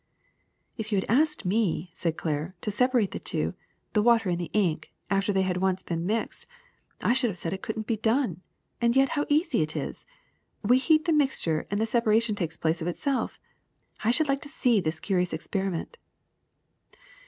'' ^'If you had asked me," said Clair, *Ho separate the two, the water and the ink, after they had once been mixed, I should have said it could n 't be done. And yet how easy it is ! We heat the mixture and the separation takes place of itself. I should like to see this curious experiment."